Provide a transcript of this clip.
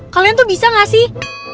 kalian tuh bisa gak sih